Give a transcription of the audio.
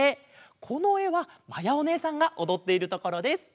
このえはまやおねえさんがおどっているところです。